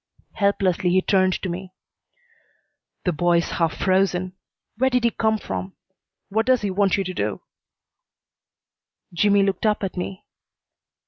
Helplessly he turned to me. "The boy's half frozen. Where did he come from? What does he want you to do?" Jimmy looked up at me.